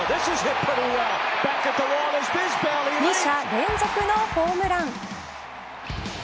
２者連続のホームラン。